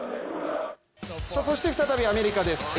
そして再びアメリカです。